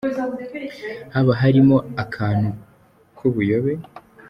Haba harimo akantu k’ubuyobe